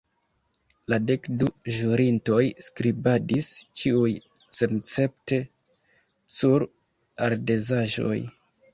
La dekdu ĵurintoj skribadis, ĉiuj senescepte, sur ardezaĵoj.